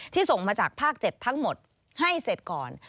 ส่งมาจากภาค๗ทั้งหมดให้เสร็จก่อน